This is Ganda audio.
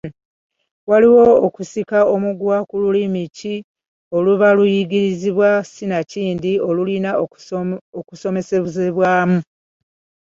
Waaliwo okusika omuguwa ku lulimi ki oluba luyigibwa sinakindi olulina okusomesezebwamu.